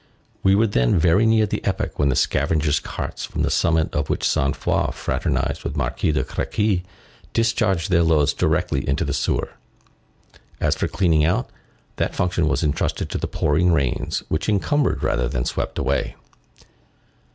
We were then very near the epoch when the scavenger's carts, from the summit of which Sainte Foix fraternized with the Marquis de Créqui, discharged their loads directly into the sewer. As for cleaning out,—that function was entrusted to the pouring rains which encumbered rather than swept away.